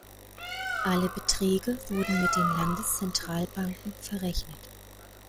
Alle Beträge wurden mit den Landeszentralbanken verrechnet.